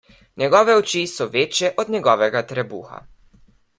Njegove oči so večje od njegovega trebuha.